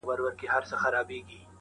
له لېوه څخه پسه نه پیدا کیږي!!